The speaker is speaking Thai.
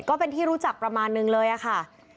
ก็เป็นที่รู้จักประมาณนึงเลยอะค่ะ